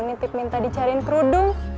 nitip minta dicariin kerudung